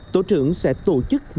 tổ trưởng sẽ tổ chức mặt hàng